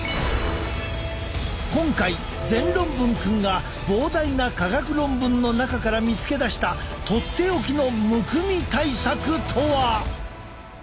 今回全論文くんが膨大な科学論文の中から見つけ出したとっておきのむくみ対策とは！？